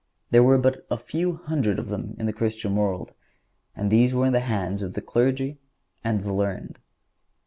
There were but a few hundred of them in the Christian world, and these were in the hands of the clergy and the learned.